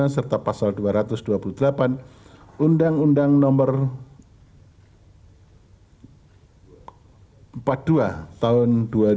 serta pasal dua ratus dua puluh delapan undang undang nomor empat puluh dua tahun dua ribu dua